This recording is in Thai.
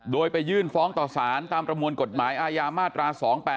โดยไปยื่นฟ้องต่อสารตามประมวลกฎหมายอาญามาตรา๒๘๘